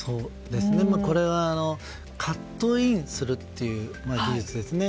これはカットインするっていう技術ですね。